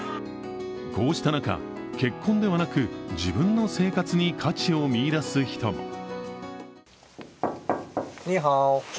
こうした中、結婚ではなく自分の生活に価値を見出す人も。